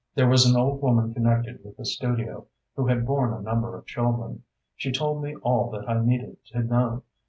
There was an old woman connected with the studio, who had borne a number of children. She told me all that I needed to know.